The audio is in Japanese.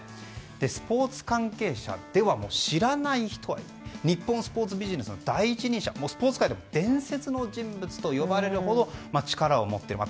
スポーツ関係者では知らない人はいない日本スポーツビジネスの第一人者スポーツ界では伝説の人物と呼ばれるほど力を持っている。